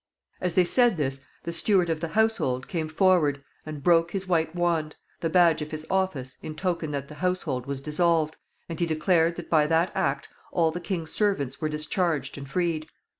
As they said this, the steward of the household came forward and broke his white wand, the badge of his office, in token that the household was dissolved, and he declared that by that act all the king's servants were discharged and freed.